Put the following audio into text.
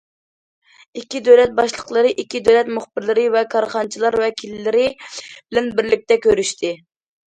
ئىككى دۆلەت باشلىقلىرى ئىككى دۆلەت مۇخبىرلىرى ۋە كارخانىچىلار ۋەكىللىرى بىلەن بىرلىكتە كۆرۈشتى.